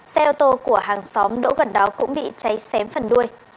xe ô tô của hàng xóm đỗ gần đó cũng bị cháy xém phần đuôi